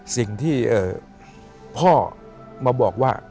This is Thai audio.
สิ่งที่พ่อมาบอกว่า